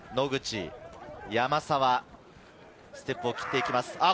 野口、山沢、ステップを切っていきます。